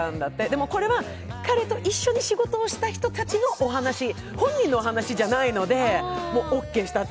でもこれは彼と一緒に仕事をしてきた人たちのお話、本人のお話じゃないのでもうオーケーしたと。